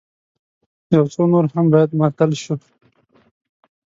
يو څه نور هم بايد ماتل شو.